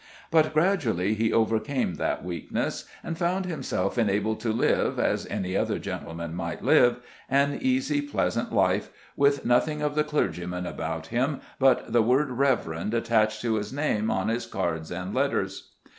But gradually he overcame that weakness, and found himself enabled to live, as any other gentleman might live, an easy pleasant life, with nothing of the clergyman about him but the word Reverend attached to his name on his cards and letters.